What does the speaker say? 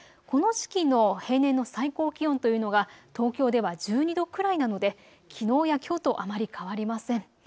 この時期の最高気温というのは東京では１２度くらいなので気温はきょうとあまり変わりません。